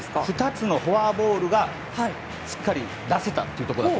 ２つのフォアボールがしっかり出せたというところ。